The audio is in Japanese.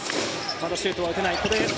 まだシュートは打てない。